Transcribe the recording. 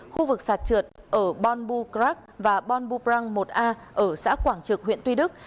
khu vực sạt trượt ở bonbou crac và bonbou brang một a ở xã quảng trực huyện tuy đức